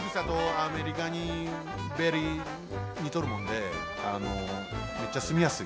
アメリカにベリーにとるもんであのめっちゃすみやすい。